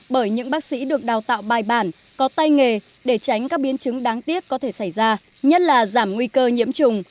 bởi những bác sĩ được đào tạo bài bản có tay nghề để tránh các biến chứng đáng tiếc có thể xảy ra nhất là giảm nguy cơ nhiễm trùng